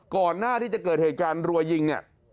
ก่อนหน้าที่จะเกิดเหตุการณ์รวยยิง